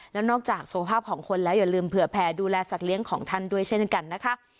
แล้วนอกจากสุขภาพของคนแล้วอย่าลืมเผื่อแผ่ดูแลสัตว์เลี้ยงของท่านด้วยเช่นกันนะคะ